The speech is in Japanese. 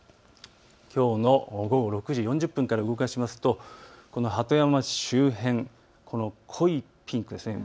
きょうの午後６時４０分から動かすと鳩山町周辺、濃いピンクです。